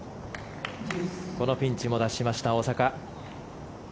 このピンチも脱しました大坂。